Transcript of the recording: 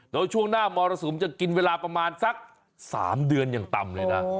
โดยช่วงหน้ามรสุมจะกินเวลาประมาณสัก๓เดือนอย่างต่ำเลยนะ